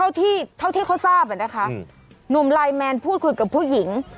เท่าที่เขาทราบอ่ะนะคะหนุ่มไลน์แมนพูดคุยกับผู้หญิง